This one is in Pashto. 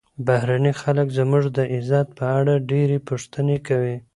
بهرني خلک زموږ د عزت په اړه ډېرې پوښتنې کوي.